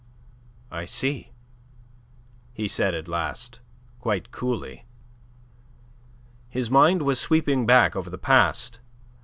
"I see," he said, at last, quite coolly. His mind was sweeping back over the past.